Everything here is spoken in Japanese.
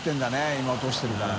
今落としてるから。